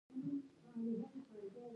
خاوره باید فشار نه قبلوونکې وي